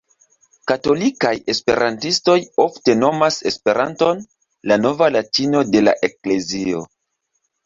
Katolikaj esperantistoj ofte nomas Esperanton "la nova latino de la Eklezio".